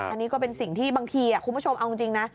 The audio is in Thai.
อันนี้ก็เป็นสิ่งที่บางทีคุณผู้ชมเอาจริงนะ